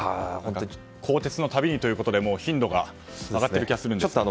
更迭のたびにということで頻度が上がっている気がするんですけど。